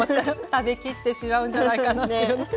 食べきってしまうんじゃないかなっていう。ね。